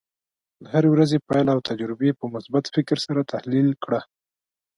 د هرې ورځې پایله او تجربې په مثبت فکر سره تحلیل کړه.